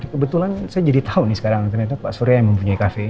oh iya kebetulan saya jadi tahu nih sekarang ternyata pak surya yang mempunyai cafe ini